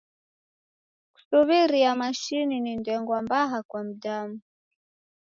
Kusuw'iria mashini ni ndengwa mbaha kwa mdamu.